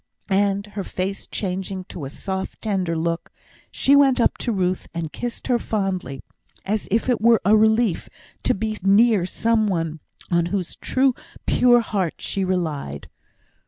And, her face changing to a soft, tender look, she went up to Ruth, and kissed her fondly; as if it were a relief to be near some one on whose true, pure heart she relied.